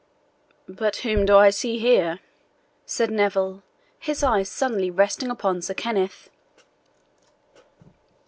"But whom do I see here?" said Neville, his eyes suddenly resting upon Sir Kenneth.